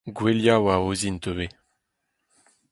Gouelioù a aozint ivez.